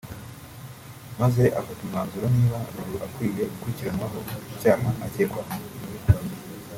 maze afate umwanzuro niba Lulu akwiye gukurikiranwaho icyaha akekwaho